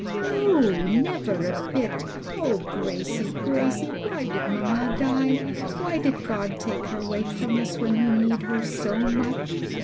"No, never a bit! O Gracie, Gracie, why did mamma die? why did God take her away from us when we need her so much?